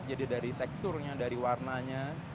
jadi dari teksturnya dari warnanya